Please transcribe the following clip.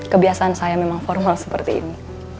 kebiasaan saya memang formal seperti ini